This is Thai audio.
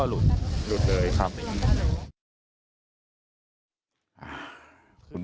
หลุดหลุดเลยครับ